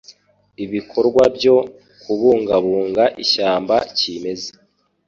ibikorwabyo kubungabunga ishyamba kimeza